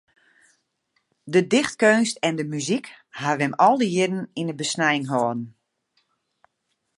De dichtkeunst en de muzyk hawwe him al dy jierren yn de besnijing holden.